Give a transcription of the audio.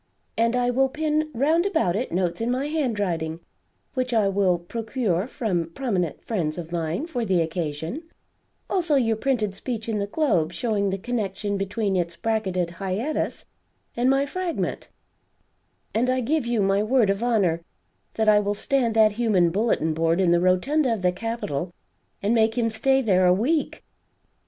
And I will pin round about it notes in my handwriting, which I will procure from prominent friends of mine for the occasion; also your printed speech in the Globe, showing the connection between its bracketed hiatus and my Fragment; and I give you my word of honor that I will stand that human bulletin board in the rotunda of the capitol and make him stay there a week!